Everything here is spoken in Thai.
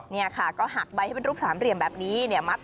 นี่ค่ะก็หักใบให้เป็นรูปสามเหลี่ยมแบบนี้เนี่ยมัด